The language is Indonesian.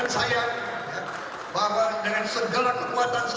saya siap untuk menjadi alat umat dan alat rakyat indonesia